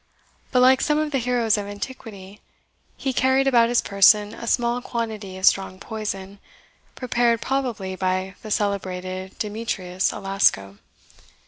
But like some of the heroes of antiquity, he carried about his person a small quantity of strong poison, prepared probably by the celebrated Demetrius Alasco.